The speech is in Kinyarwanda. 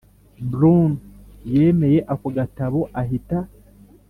Bruun yemeye ako gatabo ahita